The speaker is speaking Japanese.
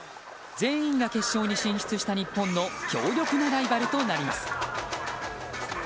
全員が決勝に進出した日本の強力なライバルとなります。